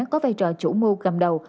có vai trò chủ mưu cầm đầu